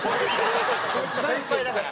先輩だから。